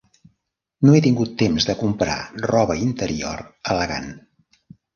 No he tingut temps de comprar roba interior elegant.